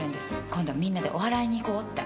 今度みんなでおはらいに行こうって。